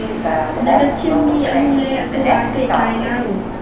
Na biachimmi a lu le a taw aa pehtlai lo.